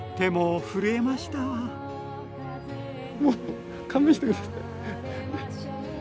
もう勘弁して下さい。